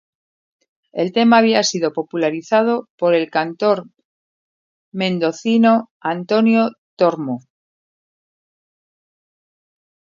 El tema había sido popularizado por el cantor mendocino Antonio Tormo.